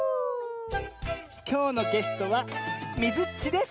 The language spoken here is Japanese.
きょうのゲストはみずっちです！